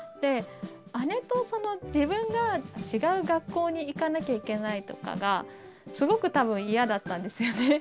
姉と自分が違う学校に行かなきゃいけないとかが、すごくたぶん嫌だったんですよね。